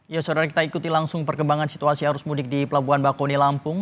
ya saudara kita ikuti langsung perkembangan situasi arus mudik di pelabuhan bakoni lampung